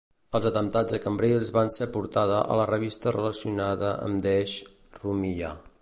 Els atemptats a Cambrils van ser portada a la revista relacionada amb Desh, Rumiyah.